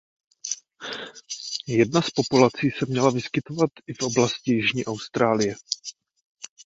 Jedna z populací se měla vyskytovat i v oblasti Jižní Austrálie.